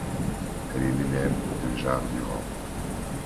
Elle est l'élève de Jar Durand.